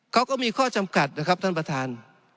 เขาก็มีข้อจำกัดนะครับท่านประธาน